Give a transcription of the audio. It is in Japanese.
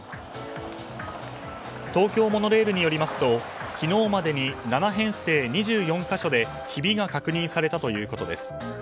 東京モノレールによりますと昨日までに７編成２４か所でひびが確認されたということです。